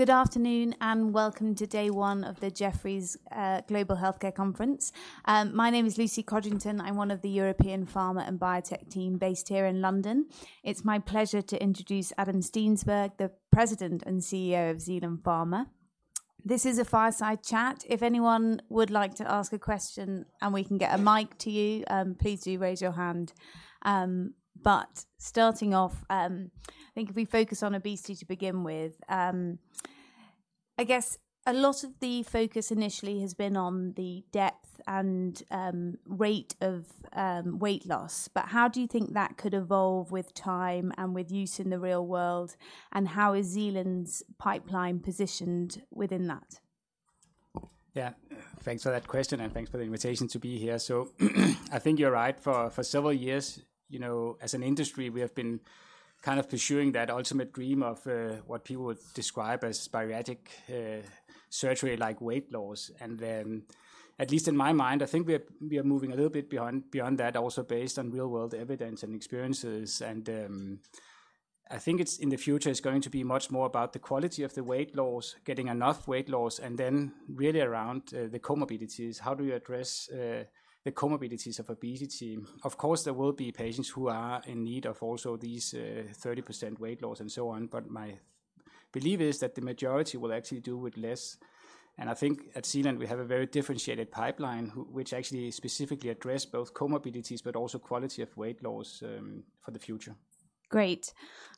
Good afternoon, and welcome to day one of the Jefferies Global Healthcare Conference. My name is Lucy Codrington. I'm one of the European Pharma and Biotech team based here in London. It's my pleasure to introduce Adam Steensberg, the President and CEO of Zealand Pharma. This is a fireside chat. If anyone would like to ask a question, and we can get a mic to you, please do raise your hand. But starting off, I think if we focus on obesity to begin with, I guess a lot of the focus initially has been on the depth and rate of weight loss. But how do you think that could evolve with time and with use in the real world? And how is Zealand's pipeline positioned within that? Yeah. Thanks for that question, and thanks for the invitation to be here. So, I think you're right. For several years, you know, as an industry, we have been kind of pursuing that ultimate dream of what people would describe as bariatric surgery-like weight loss. And at least in my mind, I think we are moving a little bit beyond that, also based on real-world evidence and experiences. And I think in the future, it's going to be much more about the quality of the weight loss, getting enough weight loss, and then really around the comorbidities. How do you address the comorbidities of obesity? Of course, there will be patients who are in need of also these 30% weight loss and so on, but my belief is that the majority will actually do with less. I think at Zealand, we have a very differentiated pipeline, which actually specifically address both comorbidities but also quality of weight loss for the future. Great.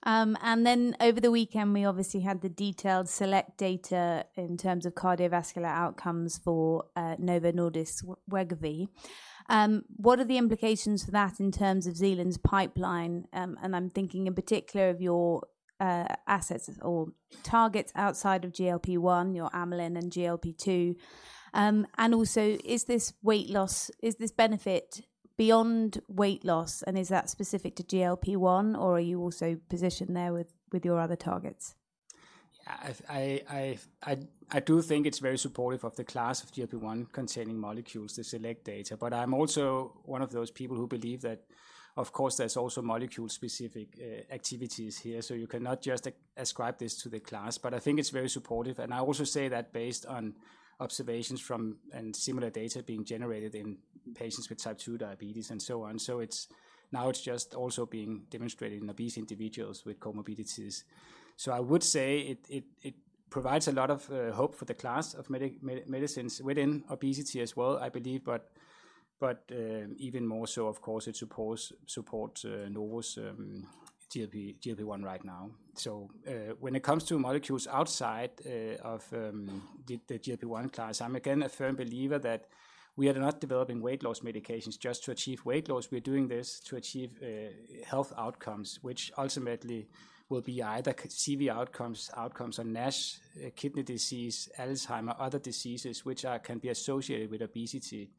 And then over the weekend, we obviously had the detailed SELECT data in terms of cardiovascular outcomes for, Novo Nordisk, Wegovy. What are the implications for that in terms of Zealand's pipeline? And I'm thinking in particular of your, assets or targets outside of GLP-1, your amylin and GLP-2. And also, is this weight loss... Is this benefit beyond weight loss, and is that specific to GLP-1, or are you also positioned there with, with your other targets? Yeah, I do think it's very supportive of the class of GLP-1 containing molecules, the SELECT data. But I'm also one of those people who believe that, of course, there's also molecule-specific activities here, so you cannot just ascribe this to the class. But I think it's very supportive, and I also say that based on observations from and similar data being generated in patients with type 2 diabetes and so on. So it's now also being demonstrated in obese individuals with comorbidities. So I would say it provides a lot of hope for the class of medicines within obesity as well, I believe. But even more so, of course, it supports Novo's GLP-1 right now. So, when it comes to molecules outside of the GLP-1 class, I'm again a firm believer that we are not developing weight loss medications just to achieve weight loss. We're doing this to achieve health outcomes, which ultimately will be either CV outcomes, outcomes on NASH, kidney disease, Alzheimer, other diseases which can be associated with obesity.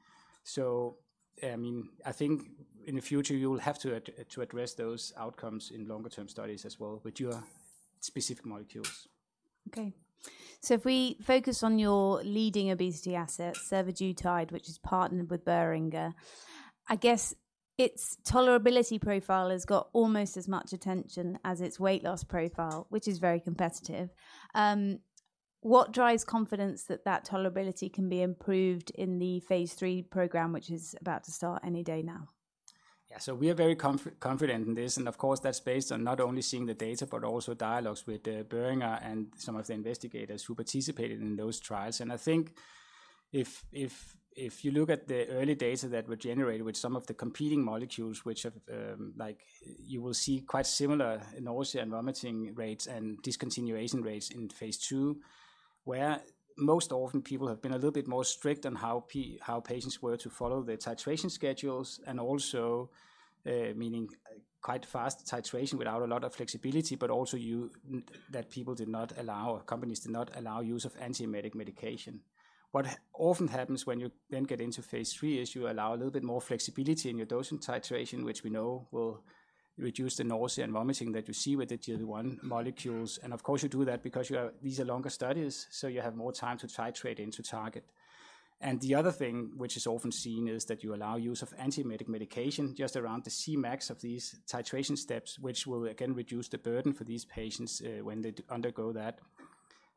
So, I mean, I think in the future, you will have to to address those outcomes in longer-term studies as well with your specific molecules. Okay. So if we focus on your leading obesity asset, survodutide, which is partnered with Boehringer, I guess its tolerability profile has got almost as much attention as its weight loss profile, which is very competitive. What drives confidence that that tolerability can be improved in the Phase III program, which is about to start any day now? Yeah. So we are very confident in this, and of course, that's based on not only seeing the data but also dialogues with Boehringer and some of the investigators who participated in those trials. And I think if you look at the early data that were generated with some of the competing molecules, which have, like you will see quite similar nausea and vomiting rates and discontinuation rates in Phase II, where most often people have been a little bit more strict on how patients were to follow the titration schedules, and also meaning quite fast titration without a lot of flexibility, but also that people did not allow or companies did not allow use of antiemetic medication. What often happens when you then get into phase III is you allow a little bit more flexibility in your dosing titration, which we know will reduce the nausea and vomiting that you see with the GLP-1 molecules. And, of course, you do that because these are longer studies, so you have more time to titrate into target. And the other thing which is often seen is that you allow use of antiemetic medication just around the Cmax of these titration steps, which will again reduce the burden for these patients when they undergo that.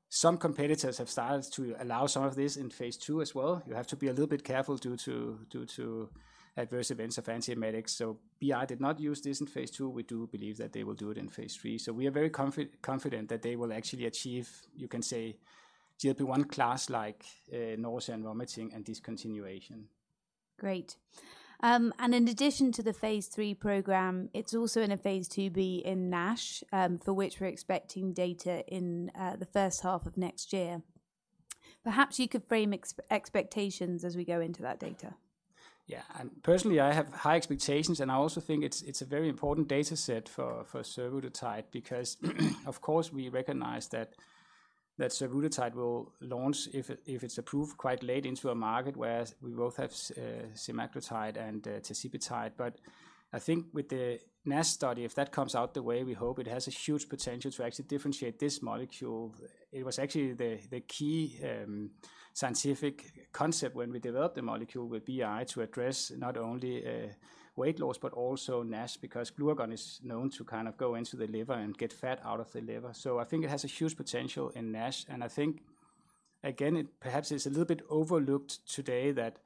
Some competitors have started to allow some of this in phase II as well. You have to be a little bit careful due to adverse events of antiemetics. So BI did not use this in phase II. We do believe that they will do it in phase III. So we are very confident that they will actually achieve, you can say, GLP-1 class-like nausea and vomiting and discontinuation. Great. In addition to the phase III program, it's also in a phase IIb in NASH, for which we're expecting data in the first half of next year. Perhaps you could frame expectations as we go into that data. Yeah. And personally, I have high expectations, and I also think it's a very important data set for survodutide because, of course, we recognize that survodutide will launch if it's approved quite late into a market where we both have semaglutide and tirzepatide. But I think with the NASH study, if that comes out the way we hope, it has a huge potential to actually differentiate this molecule. It was actually the key scientific concept when we developed the molecule with BI to address not only weight loss but also NASH, because glucagon is known to kind of go into the liver and get fat out of the liver. So I think it has a huge potential in NASH, and I think-... Again, it perhaps is a little bit overlooked today that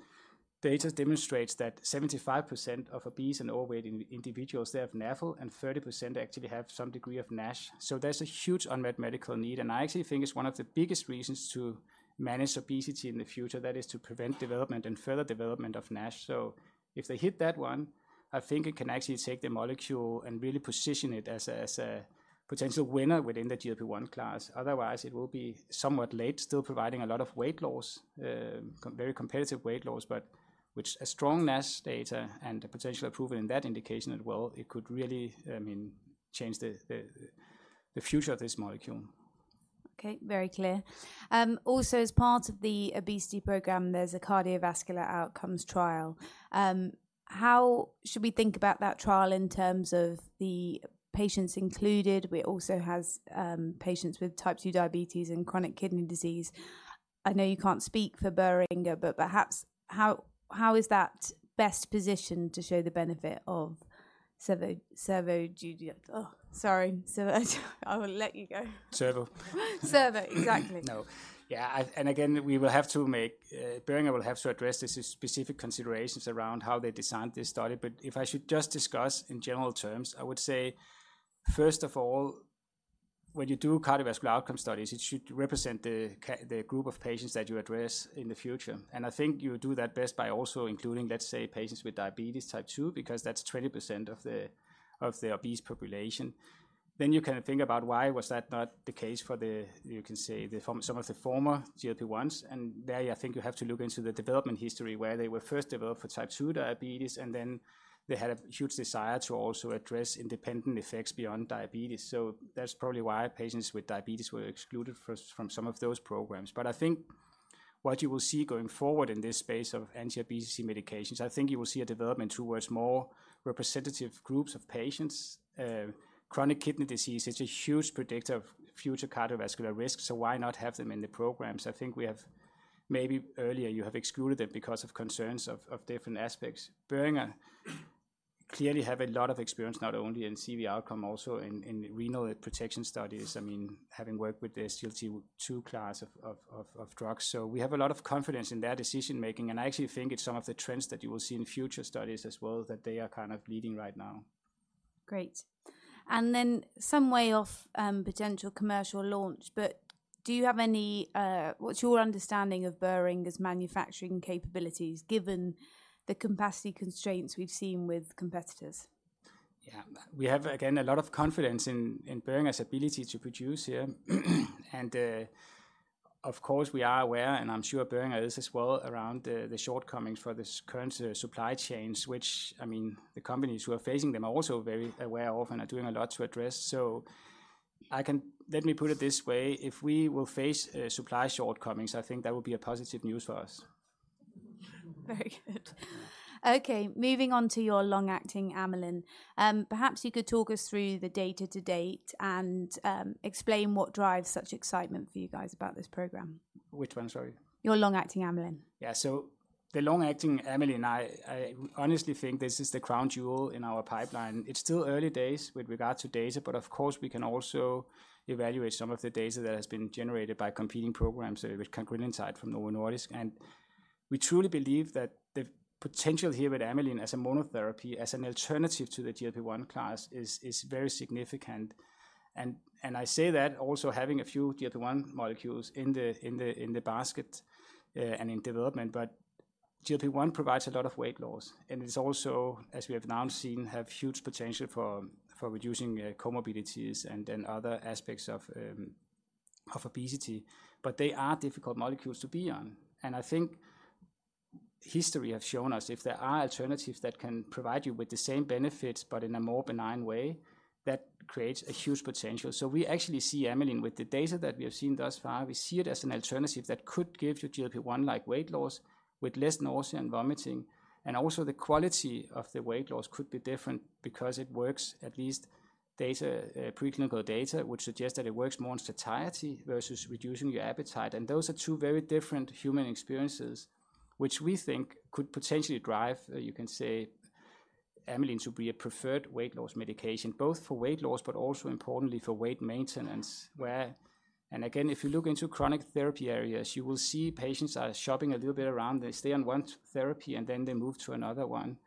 data demonstrates that 75% of obese and overweight individuals, they have NAFLD, and 30% actually have some degree of NASH. So there's a huge unmet medical need, and I actually think it's one of the biggest reasons to manage obesity in the future, that is to prevent development and further development of NASH. So if they hit that one, I think it can actually take the molecule and really position it as a, as a potential winner within the GLP-1 class. Otherwise, it will be somewhat late, still providing a lot of weight loss, very competitive weight loss, but with a strong NASH data and a potential approval in that indication as well, it could really, I mean, change the, the, the future of this molecule. Okay, very clear. Also, as part of the obesity program, there's a cardiovascular outcomes trial. How should we think about that trial in terms of the patients included, where it also has patients with type two diabetes and chronic kidney disease? I know you can't speak for Boehringer, but perhaps how is that best positioned to show the benefit of survodutide? Oh, sorry, survodutide. I will let you go. Servo. Servo, exactly. No. Yeah, and again, we will have to make, Boehringer will have to address the specific considerations around how they designed this study. But if I should just discuss in general terms, I would say, first of all, when you do cardiovascular outcome studies, it should represent the the group of patients that you address in the future. And I think you do that best by also including, let's say, patients with diabetes type two, because that's 20% of the, of the obese population. Then you can think about why was that not the case for the, you can say, the some of the former GLP-1s, and there, I think you have to look into the development history, where they were first developed for type two diabetes, and then they had a huge desire to also address independent effects beyond diabetes. So that's probably why patients with diabetes were excluded first from some of those programs. But I think what you will see going forward in this space of anti-obesity medications, I think you will see a development towards more representative groups of patients. Chronic kidney disease is a huge predictor of future cardiovascular risk, so why not have them in the programs? I think we have... maybe earlier, you have excluded them because of concerns of different aspects. Boehringer clearly have a lot of experience, not only in CV outcome, also in renal protection studies. I mean, having worked with the SGLT2 class of drugs. So we have a lot of confidence in their decision-making, and I actually think it's some of the trends that you will see in future studies as well, that they are kind of leading right now. Great. And then some way off, potential commercial launch, but do you have any... What's your understanding of Boehringer's manufacturing capabilities, given the capacity constraints we've seen with competitors? Yeah. We have, again, a lot of confidence in Boehringer's ability to produce, yeah. And, of course, we are aware, and I'm sure Boehringer is as well, around the shortcomings for this current supply chains, which, I mean, the companies who are facing them are also very aware of and are doing a lot to address. So let me put it this way: if we will face supply shortcomings, I think that will be a positive news for us. Very good. Okay, moving on to your long-acting amylin. Perhaps you could talk us through the data to date and explain what drives such excitement for you guys about this program. Which one, sorry? Your long-acting amylin. Yeah. So the long-acting amylin, I honestly think this is the crown jewel in our pipeline. It's still early days with regard to data, but of course, we can also evaluate some of the data that has been generated by competing programs, with cagrilintide from Novo Nordisk. And we truly believe that the potential here with amylin as a monotherapy, as an alternative to the GLP-1 class, is very significant. And I say that also having a few GLP-1 molecules in the basket and in development. But GLP-1 provides a lot of weight loss, and it's also, as we have now seen, have huge potential for reducing comorbidities and then other aspects of obesity. But they are difficult molecules to be on, and I think history has shown us if there are alternatives that can provide you with the same benefits but in a more benign way, that creates a huge potential. So we actually see amylin, with the data that we have seen thus far, we see it as an alternative that could give you GLP-1-like weight loss with less nausea and vomiting. And also, the quality of the weight loss could be different because it works, at least data, preclinical data, which suggests that it works more on satiety versus reducing your appetite. And those are two very different human experiences, which we think could potentially drive, you can say, amylin to be a preferred weight loss medication, both for weight loss but also importantly for weight maintenance. Where... And again, if you look into chronic therapy areas, you will see patients are shopping a little bit around. They stay on one therapy, and then they move to another one.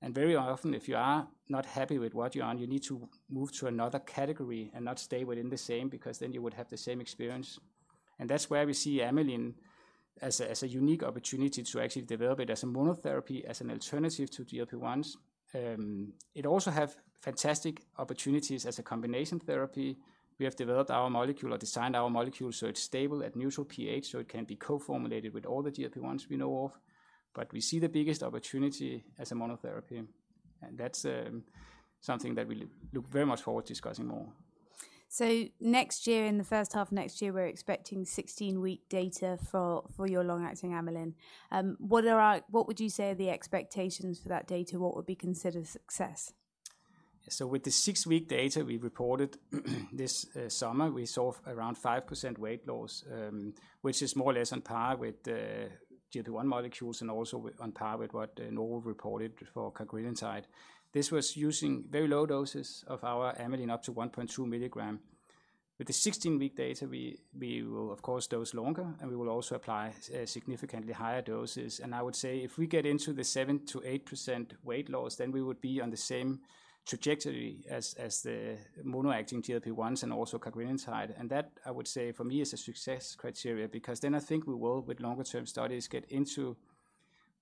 And very often, if you are not happy with what you're on, you need to move to another category and not stay within the same, because then you would have the same experience. And that's where we see amylin as a unique opportunity to actually develop it as a monotherapy, as an alternative to GLP-1s. It also have fantastic opportunities as a combination therapy. We have developed our molecule or designed our molecule, so it's stable at neutral pH, so it can be co-formulated with all the GLP-1s we know of. But we see the biggest opportunity as a monotherapy, and that's something that we look very much forward to discussing more. So next year, in the first half of next year, we're expecting 16-week data for your long-acting amylin. What would you say are the expectations for that data? What would be considered a success? So with the six-week data we reported this summer, we saw around 5% weight loss, which is more or less on par with the GLP-1 molecules and also on par with what Novo reported for cagrilintide. This was using very low doses of our amylin, up to 1.2 milligram with the 16-week data, we will of course dose longer, and we will also apply significantly higher doses. And I would say, if we get into the 7%-8% weight loss, then we would be on the same trajectory as the mono-acting GLP-1s and also CagriSema. And that, I would say, for me, is a success criteria, because then I think we will, with longer-term studies, get into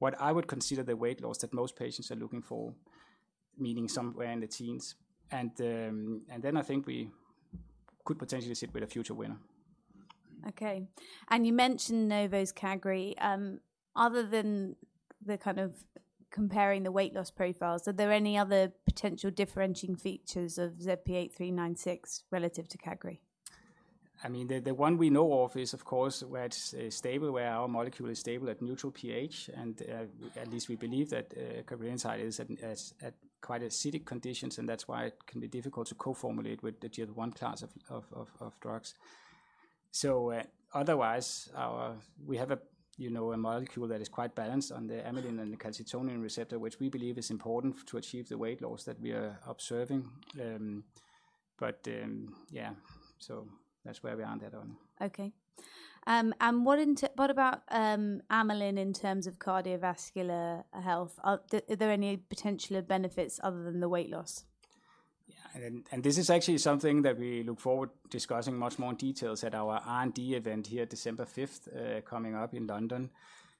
what I would consider the weight loss that most patients are looking for, meaning somewhere in the teens. And then I think we could potentially sit with a future winner. Okay. You mentioned Novo's Cagri. Other than the kind of comparing the weight loss profiles, are there any other potential differentiating features of ZP8396 relative to Cagri? I mean, the one we know of is, of course, where it's stable, where our molecule is stable at neutral pH, and at least we believe that cagrilintide is at quite acidic conditions, and that's why it can be difficult to co-formulate with the GLP-1 class of drugs. So, otherwise, our... We have a, you know, a molecule that is quite balanced on the amylin and the calcitonin receptor, which we believe is important to achieve the weight loss that we are observing. But, yeah, so that's where we are on that one. Okay. And what about amylin in terms of cardiovascular health? Are there any potential benefits other than the weight loss? Yeah. And this is actually something that we look forward discussing much more in details at our R&D event here, December 5th, coming up in London,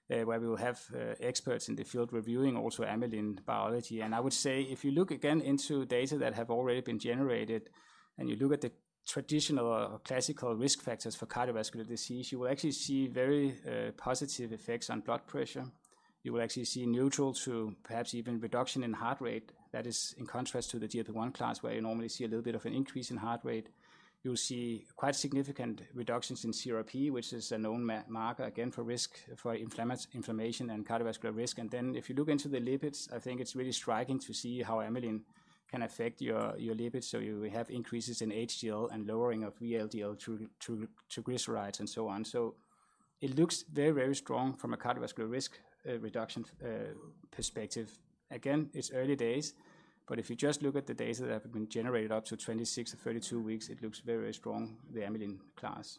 where we will have experts in the field reviewing also amylin biology. And I would say, if you look again into data that have already been generated, and you look at the traditional or classical risk factors for cardiovascular disease, you will actually see very positive effects on blood pressure. You will actually see neutral to perhaps even reduction in heart rate. That is in contrast to the GLP-1 class, where you normally see a little bit of an increase in heart rate. You'll see quite significant reductions in CRP, which is a known marker, again, for risk, for inflammation and cardiovascular risk. If you look into the lipids, I think it's really striking to see how amylin can affect your lipids. You have increases in HDL and lowering of VLDL to triglycerides, and so on. It looks very, very strong from a cardiovascular risk reduction perspective. Again, it's early days, but if you just look at the data that have been generated up to 26-32 weeks, it looks very strong, the amylin class.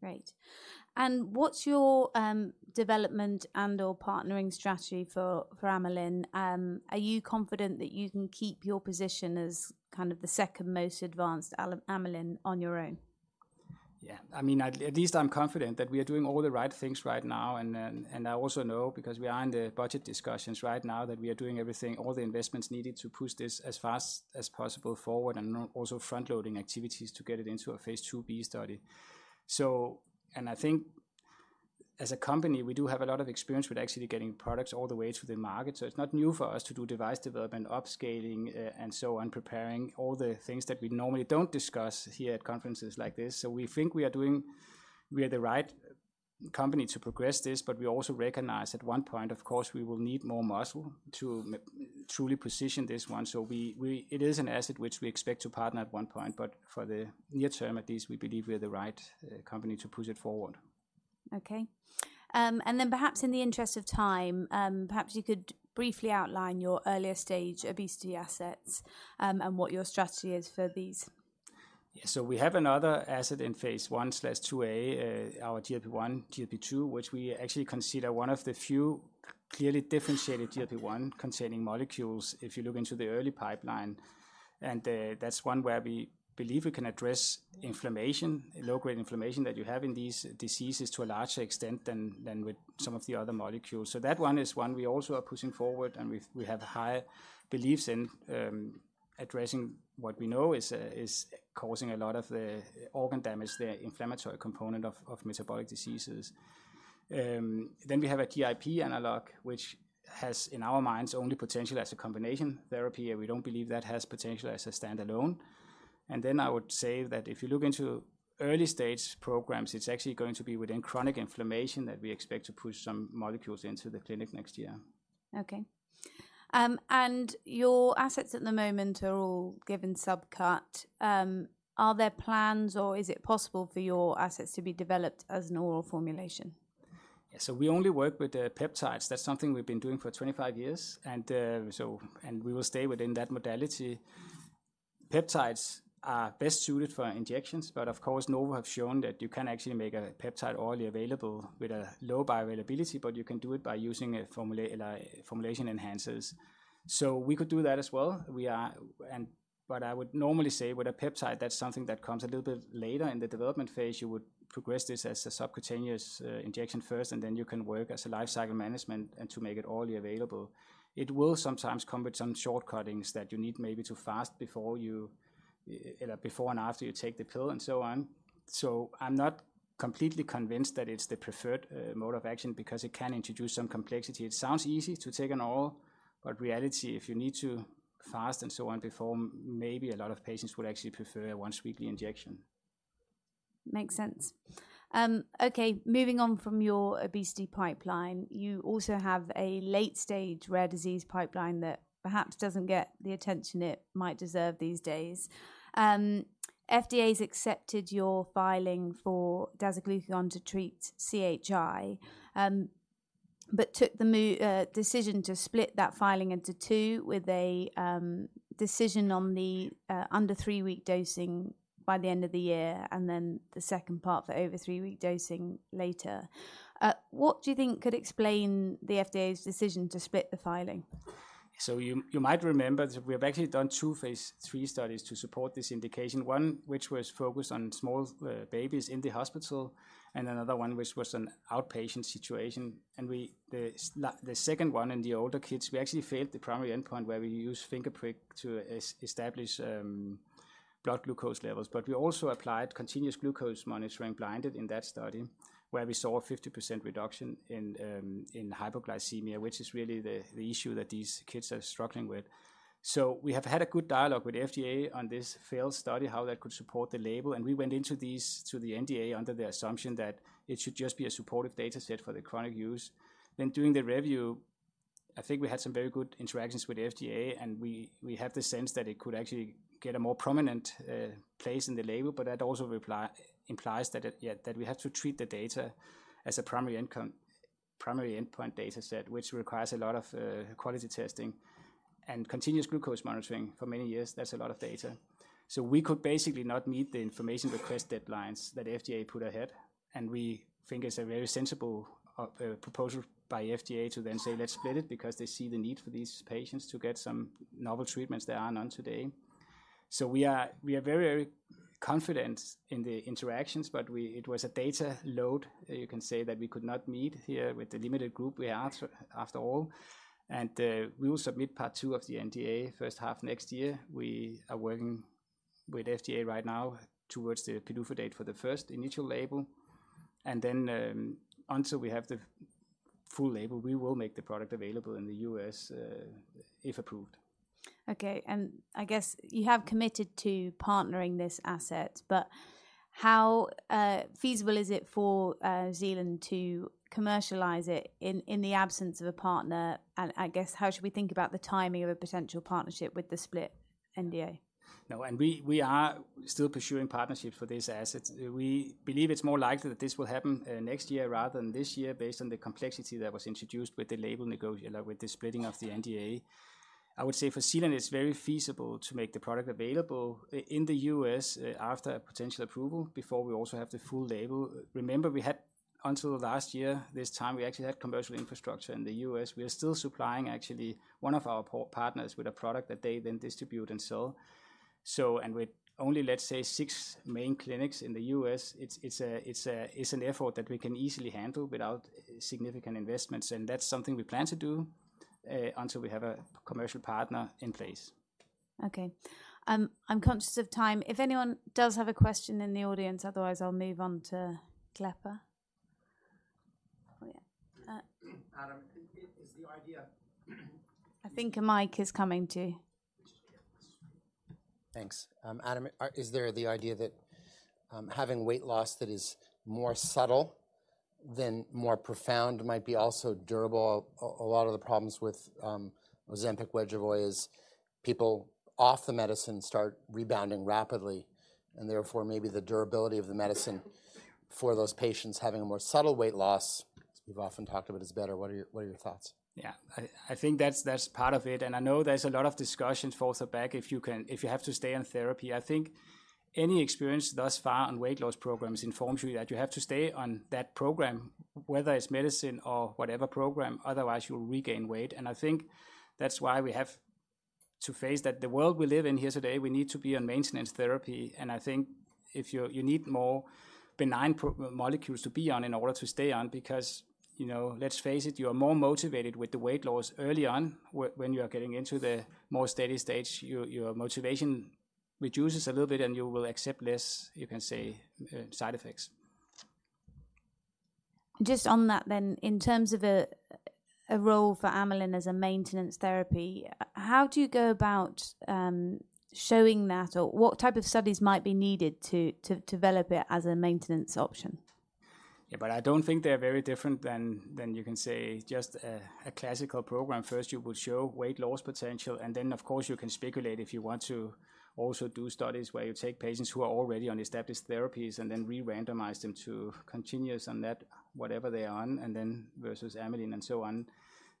Great. And what's your development and/or partnering strategy for amylin? Are you confident that you can keep your position as kind of the second-most advanced amylin on your own? Yeah. I mean, at least I'm confident that we are doing all the right things right now. And then, and I also know, because we are in the budget discussions right now, that we are doing everything, all the investments needed to push this as fast as possible forward and also front-loading activities to get it into a phase IIb study. So... And I think as a company, we do have a lot of experience with actually getting products all the way to the market. So it's not new for us to do device development, upscaling, and so on, preparing all the things that we normally don't discuss here at conferences like this. So we think we are the right company to progress this, but we also recognize at one point, of course, we will need more muscle to truly position this one. It is an asset which we expect to partner at one point, but for the near term at least, we believe we are the right company to push it forward. Okay. And then perhaps in the interest of time, perhaps you could briefly outline your earlier-stage obesity assets, and what your strategy is for these. Yeah. So we have another asset in phase I, IIa, our GLP-1, GLP-2, which we actually consider one of the few clearly differentiated GLP-1 containing molecules, if you look into the early pipeline. And that's one where we believe we can address inflammation, low-grade inflammation that you have in these diseases, to a larger extent than with some of the other molecules. So that one is one we also are pushing forward, and we have high beliefs in addressing what we know is, is causing a lot of the organ damage, the inflammatory component of metabolic diseases. Then we have a GIP analog, which has, in our minds, only potential as a combination therapy, and we don't believe that has potential as a standalone. And then I would say that if you look into early-stage programs, it's actually going to be within chronic inflammation that we expect to push some molecules into the clinic next year. Okay. Your assets at the moment are all given subcut. Are there plans or is it possible for your assets to be developed as an oral formulation? Yeah. So we only work with the peptides. That's something we've been doing for 25 years, and we will stay within that modality. Peptides are best suited for injections, but of course, Novo have shown that you can actually make a peptide orally available with a low bioavailability, but you can do it by using formulation enhancers. So we could do that as well. But I would normally say, with a peptide, that's something that comes a little bit later in the development phase. You would progress this as a subcutaneous injection first, and then you can work as a lifecycle management and to make it orally available. It will sometimes come with some shortcomings that you need maybe to fast before you before and after you take the pill, and so on. I'm not completely convinced that it's the preferred mode of action, because it can introduce some complexity. It sounds easy to take an oral, but reality, if you need to fast and so on before, maybe a lot of patients would actually prefer a once-weekly injection. Makes sense. Okay, moving on from your obesity pipeline, you also have a late-stage rare disease pipeline that perhaps doesn't get the attention it might deserve these days. FDA's accepted your filing for dasiglucagon to treat CHI. But took the decision to split that filing into two, with a decision on the under three-week dosing by the end of the year, and then the second part for over three-week dosing later. What do you think could explain the FDA's decision to split the filing? So you, you might remember that we have actually done two phase three studies to support this indication. One, which was focused on small babies in the hospital, and another one, which was an outpatient situation. And the second one in the older kids, we actually failed the primary endpoint where we used finger prick to establish blood glucose levels. But we also applied continuous glucose monitoring, blinded in that study, where we saw a 50% reduction in hypoglycemia, which is really the issue that these kids are struggling with. So we have had a good dialogue with FDA on this failed study, how that could support the label, and we went into these, to the NDA, under the assumption that it should just be a supportive data set for the chronic use. Then, during the review, I think we had some very good interactions with the FDA, and we have the sense that it could actually get a more prominent place in the label, but that also implies that it, yeah, that we have to treat the data as a primary endpoint data set, which requires a lot of quality testing. And continuous glucose monitoring for many years, that's a lot of data. So we could basically not meet the information request deadlines that FDA put ahead, and we think it's a very sensible proposal by FDA to then say, "Let's split it," because they see the need for these patients to get some novel treatments that are none today. So we are very, very confident in the interactions, but it was a data load, you can say, that we could not meet here with the limited group we are after all, and we will submit part two of the NDA first half next year. We are working with FDA right now towards the PDUFA date for the first initial label, and then, until we have the full label, we will make the product available in the U.S., if approved. Okay, and I guess you have committed to partnering this asset, but how feasible is it for Zealand to commercialize it in the absence of a partner? And I guess, how should we think about the timing of a potential partnership with the split NDA? No, and we are still pursuing partnerships for this asset. We believe it's more likely that this will happen next year rather than this year, based on the complexity that was introduced with the splitting of the NDA. I would say for Zealand, it's very feasible to make the product available in the U.S. after a potential approval, before we also have the full label. Remember, we had... Until last year, this time, we actually had commercial infrastructure in the U.S. We are still supplying, actually, one of our partners with a product that they then distribute and sell. with only, let's say, six main clinics in the U.S., it's an effort that we can easily handle without significant investments, and that's something we plan to do until we have a commercial partner in place. Okay. I'm conscious of time. If anyone does have a question in the audience, otherwise, I'll move on to glepaglutide. Oh, yeah. Adam, is the idea... I think a mic is coming to you. Thanks. Adam, is there the idea that having weight loss that is more subtle than more profound might be also durable? A lot of the problems with Ozempic, Wegovy, is people off the medicine start rebounding rapidly, and therefore, maybe the durability of the medicine for those patients having a more subtle weight loss, we've often talked about, is better. What are your thoughts? Yeah. I think that's part of it, and I know there's a lot of discussions for or back if you can—if you have to stay on therapy. I think any experience thus far on weight loss programs informs you that you have to stay on that program, whether it's medicine or whatever program, otherwise you'll regain weight. I think that's why we have to face that the world we live in here today, we need to be on maintenance therapy. I think if you're—you need more benign pro-molecules to be on, in order to stay on, because, you know, let's face it, you are more motivated with the weight loss early on. When you are getting into the more steady stage, your motivation reduces a little bit, and you will accept less, you can say, side effects. Just on that then, in terms of a role for amylin as a maintenance therapy, how do you go about showing that, or what type of studies might be needed to develop it as a maintenance option? Yeah, but I don't think they are very different than you can say just a classical program. First, you will show weight loss potential, and then, of course, you can speculate if you want to also do studies where you take patients who are already on established therapies and then re-randomize them to continuous on that, whatever they are on, and then versus amylin and so on.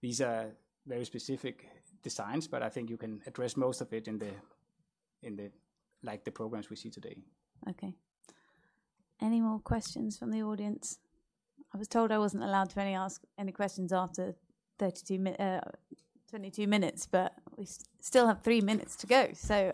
These are very specific designs, but I think you can address most of it in the like the programs we see today. Okay. Any more questions from the audience? I was told I wasn't allowed to ask any questions after 32 min, 22 minutes, but we still have three minutes to go. So,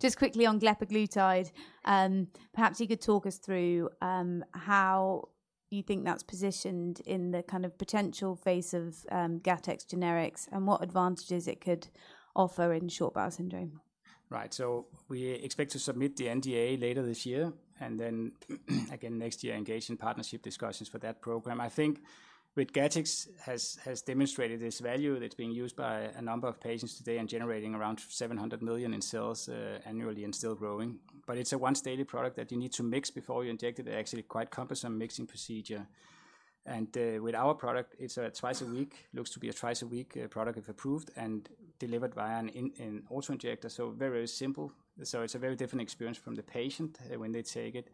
just quickly on glepaglutide, perhaps you could talk us through how you think that's positioned in the kind of potential face of Gattex generics and what advantages it could offer in short bowel syndrome. Right. So we expect to submit the NDA later this year, and then, again, next year, engage in partnership discussions for that program. I think with Gattex has demonstrated this value that's being used by a number of patients today and generating around 700 million in sales annually and still growing. But it's a once daily product that you need to mix before you inject it, actually quite cumbersome mixing procedure. And with our product, it's a twice a week, looks to be a twice a week product if approved, and delivered via an auto-injector, so very simple. So it's a very different experience from the patient when they take it.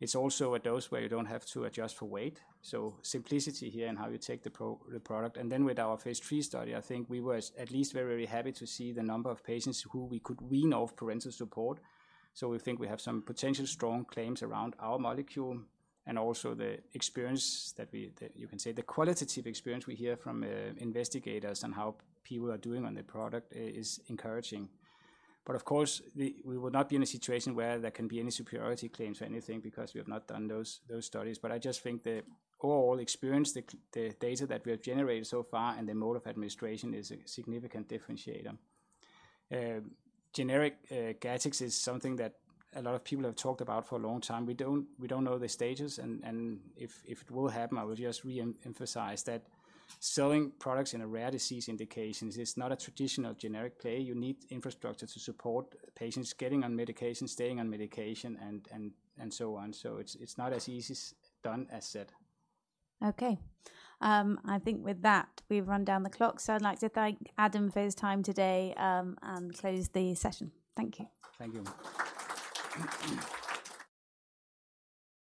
It's also a dose where you don't have to adjust for weight, so simplicity here in how you take the product. And then with our phase three study, I think we were at least very, very happy to see the number of patients who we could wean off parenteral support. So we think we have some potential strong claims around our molecule and also the experience that we-- that you can say, the qualitative experience we hear from investigators on how people are doing on the product is encouraging. But of course, we will not be in a situation where there can be any superiority claims for anything, because we have not done those studies. But I just think the overall experience, the data that we have generated so far and the mode of administration is a significant differentiator. Generic Gattex is something that a lot of people have talked about for a long time. We don't know the stages, and if it will happen. I would just re-emphasize that selling products in rare disease indications is not a traditional generic play. You need infrastructure to support patients getting on medication, staying on medication, and so on. So it's not as easy done as said. Okay. I think with that, we've run down the clock. I'd like to thank Adam for his time today, and close the session. Thank you. Thank you.